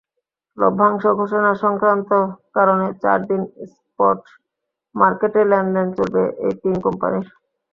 লভ্যাংশ ঘোষণাসংক্রান্ত কারণে চার দিন স্পট মার্কেটে লেনদেন চলবে এই তিন কোম্পানির।